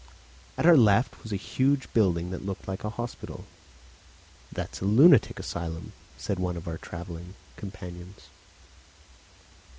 At our left was a huge building that looked like a hospital. "That's a lunatic asylum," said one of or travelling companions.